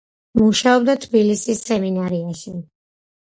მუშაობდა თბილისის სემინარიაში.